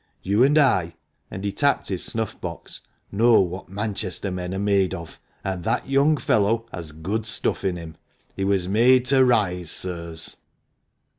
You and I" — and he tapped his snuff box — "know what Manchester men are made of, and that young fellow has good stuff in him ! He was made to rise, sirs."